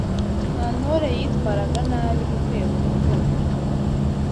Nta ntore yitwaraga nabi ivuye mu itorero